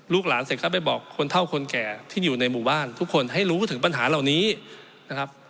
หลานเสร็จก็ไปบอกคนเท่าคนแก่ที่อยู่ในหมู่บ้านทุกคนให้รู้ถึงปัญหาเหล่านี้นะครับ